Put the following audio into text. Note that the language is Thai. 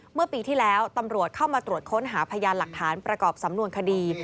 เมื่อปีที่แล้วตำรวจเข้ามาตรวจค้นหาพยานหลักฐานประกอบสำนวนคดี